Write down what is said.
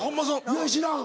いや知らん。